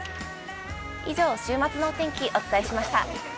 以上、週末のお天気、お伝えしました。